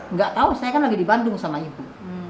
nggak tahu saya kan lagi di bandung sama ibu